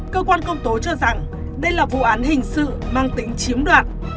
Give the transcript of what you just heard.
cơ quan công tố cho rằng đây là vụ án hình sự mang tính chiếm đoạt